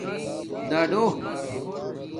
دَڈݸ